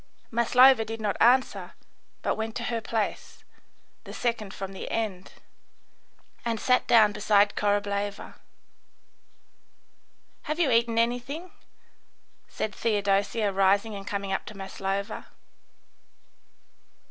Maslova did not answer, but went on to her place, the second from the end, and sat down beside Korableva. "Have you eaten anything?" said Theodosia, rising and coming up to Maslova.